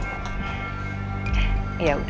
makasih ya sayang